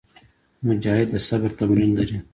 مجاهد د صبر تمرین لري.